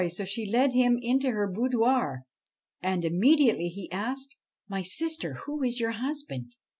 Soon she led him into her boudoir, and immediately he asked :' My sister, who is your husband